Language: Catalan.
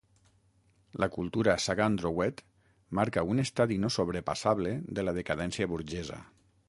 La cultura Sagan-Drouet marca un estadi no sobrepassable de la decadència burgesa.